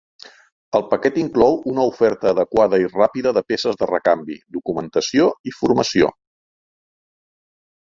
El paquet inclou una oferta adequada i ràpida de peces de recanvi, documentació i formació.